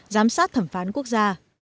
giám sát thẩm phán quốc gia